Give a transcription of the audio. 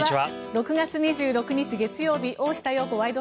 ６月２６日、月曜日「大下容子ワイド！